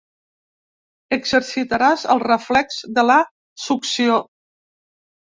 Exercitaràs el reflex de la succió.